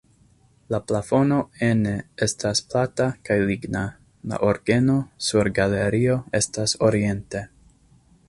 La plafono ene estas plata kaj ligna, la orgeno sur galerio estas oriente.